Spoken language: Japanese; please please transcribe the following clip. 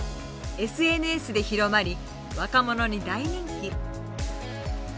ＳＮＳで広まり若者に大人気。